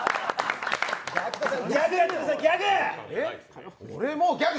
ギャグやってくださいギャグ。